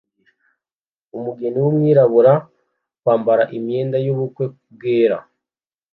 umugeni wumwirabura kwambara imyenda yubukwe bwera